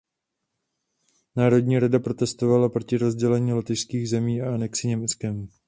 Národní rada protestovala proti rozdělení lotyšských zemí a anexi Německem.